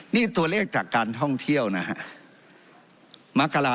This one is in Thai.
นี่ตัวเลขจากการท่องเที่ยวนะฮะ